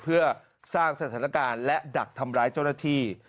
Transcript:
เพื่อสร้างสถานการณ์และดักทำร้ายเจ้าหน้าที่